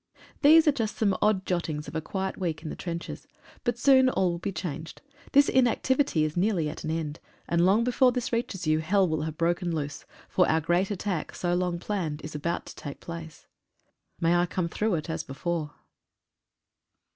These are just some odd jottings of a quiet week in the trenches. But soon all will be changed. This inactivity is nearly at an end, and long before this reaches you, hell will have broken loose, for our great attack, so long planned, is about to take place. May I come through it as before.